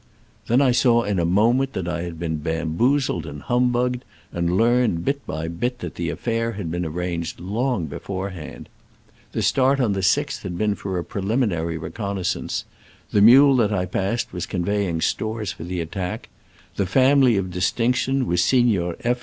Then I saw in a moment that I had been bamboozled and humbugged, and learned, bit by bit, that the affair had been arranged long beforehand. The start on the 6th had been for a pre liminary reconnaissance ; the mule that I passed was conveying stores for the attack; the "family of distinction " was Signor F.